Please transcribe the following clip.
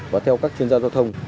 và theo các chuyên gia giao thông